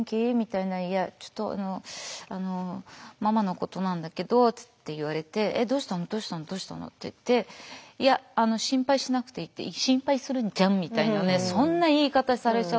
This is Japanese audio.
「ちょっとあのママのことなんだけど」って言われて「えっどうしたのどうしたのどうしたの？」って言って「いや心配しなくていい」って「心配するじゃん」みたいな。そんな言い方されちゃ。